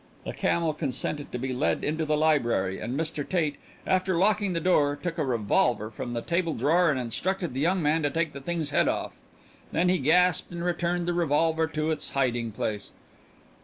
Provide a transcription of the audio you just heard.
The camel consented to be led into the library, and Mr. Tate, after locking the door, took a revolver from a table drawer and instructed the young man to take the thing's head off. Then he gasped and returned the revolver to its hiding place.